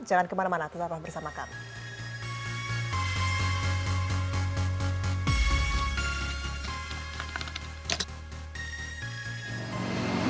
jalan kemana mana tetap bersama kami